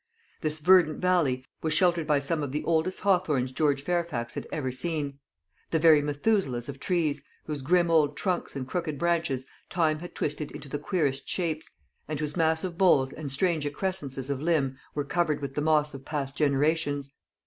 This verdant valley was sheltered by some of the oldest hawthorns George Fairfax had ever seen very Methuselahs of trees, whose grim old trunks and crooked branches time had twisted into the queerest shapes, and whose massive boles and strange excrescences of limb were covered with the moss of past generations.